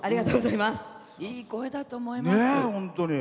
いい声だと思います。